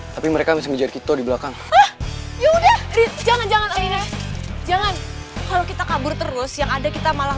tapi mereka bisa kita di belakang jangan jangan jangan kalau kita kabur terus yang ada kita malah